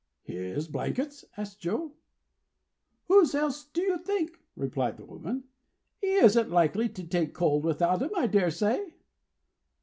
"His blankets?" asked Joe. "Whose else's do you think?" replied the woman. "He isn't likely to take cold without 'em, I dare say."